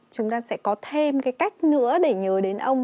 chúng ta sẽ có thêm cái cách nữa để nhớ đến ông